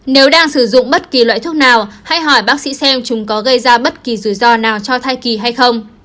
nếu đang sử dụng bất kỳ loại thuốc nào hãy hỏi bác sĩ xem chúng có gây ra bất kỳ rủi ro nào cho thai kỳ hay không